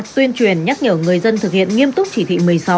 tuyên truyền nhắc nhở người dân thực hiện nghiêm túc chỉ thị một mươi sáu